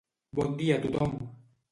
Bon dia a tothom!